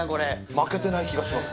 負けてない気がします。